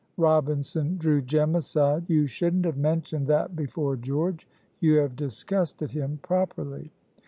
Robinson drew Jem aside. "You shouldn't have mentioned that before George; you have disgusted him properly."